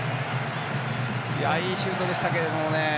いいシュートでしたけれどもね。